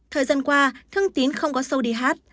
thời gian qua thương tín không có sâu đi hát